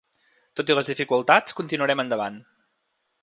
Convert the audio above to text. Tot i les dificultats, continuarem endavant.